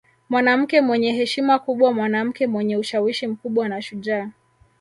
Mwanamke mwenye heshima kubwa mwanamke mwenye ushawishi mkubwa na shujaa